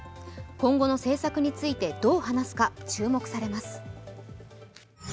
今後の政策についてどう話すか注目されます。